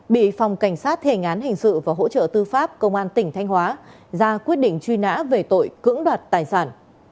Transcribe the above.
bị phòng cảnh sát thề ngán hình sự và hỗ trợ tư pháp công an tỉnh thanh hóa ra quyết định truy nã về tội cưỡng đoạt tài sản